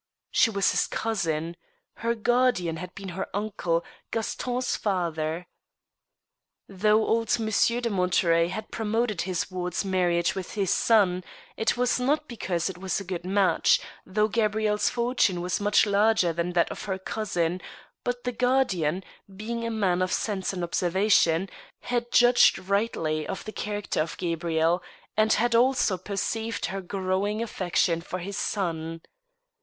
She' was his cousin. Her guardian had been her uncle, Gaston's father. Though old Monsieur de Monterey had promoted his ward's marriage with his son, it was not because it was a good match, though Gabrielle 's fortune was much larger than that of her cousin, but the guardian, being a man of sense and observation, had judged rightly of the character of Gabrielle, and had also perceived her growing affection for his son.